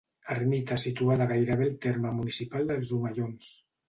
Ermita situada gairebé al terme municipal dels Omellons.